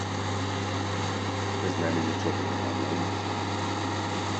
Ты з намі нічога не гамоніш.